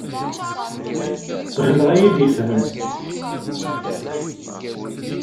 Ɣileɣ ad iyi-d-yefhem.